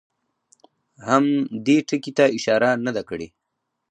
هم دې ټکي ته اشاره نه ده کړې.